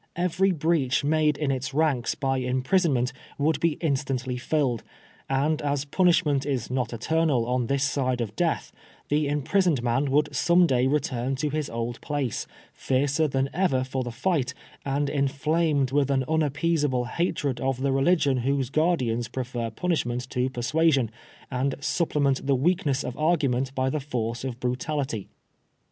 Every breach made in its ranks by imprisonment would be instantly fiUed ; and as punishment is not eternal on this side of death, the imprisoned man would some day return to his old place, fiercer thaii ever for the fight, and inflamed with an unappeasable hatred of the religion whose guardians prefer punishment to persuasion, and supplement the weakness of argument by the force of brutality.